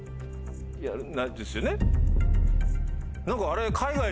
何かあれ。